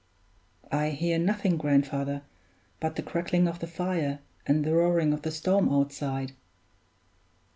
"I hear nothing, grandfather, but the crackling of the fire, and the roaring of the storm outside."